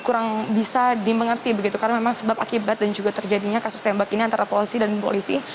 kurang bisa dimengerti begitu karena memang sebab akibat dan juga terjadinya kasus tembak ini antara polisi dan polisi